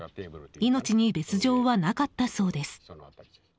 命に別条はなかったそうです。